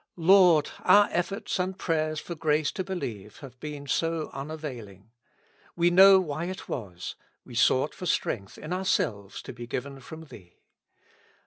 Lord ! our efforts and prayers for grace to believe have been so unavailing. We know why it was : we sought for strength in our selves to be given from Thee.